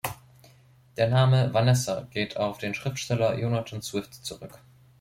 Der Name "Vanessa" geht auf den Schriftsteller Jonathan Swift zurück.